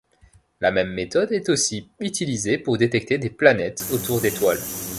La même méthode est aussi utilisée pour détecter des planètes autour d'étoiles.